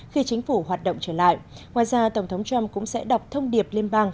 khi chính phủ hoạt động trở lại ngoài ra tổng thống trump cũng sẽ đọc thông điệp liên bang